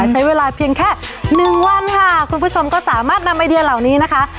ใช้เวลาเพียงแค่หนึ่งวันค่ะคุณผู้ชมก็สามารถนำไอเดียเหล่านี้นะคะ